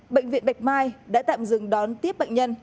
bệnh viện bạch mai đã tạm dừng đón tiếp bệnh nhân